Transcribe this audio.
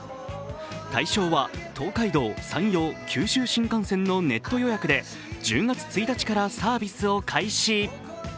対象は東海道、山陽、九州新幹線のネット予約で１０月１日からサービスを開始。